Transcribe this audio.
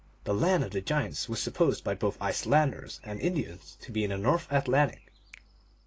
The land of the giants was supposed by both Iceland ers and Indians to be in the North Atlantic.